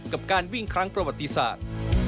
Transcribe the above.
กับการวิ่งครั้งประวัติศาสตร์